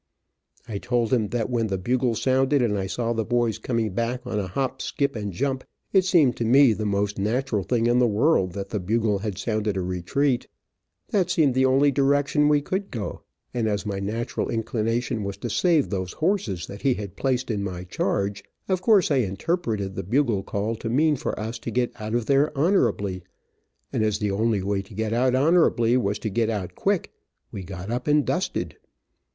I told him that when the bugle sounded, and I saw the boys coming back on a hop, skip and jump, it seemed to me the most natural thing in the world that the bugle had sounded a retreat. That seemed the only direction we could go, and as my natural inclination was to save those horses that had been placed in my charge, of course I interpreted the bugle call to mean for us to get out of there honorably, and as the only way to get out honorably was to get out quick, we got up and dusted.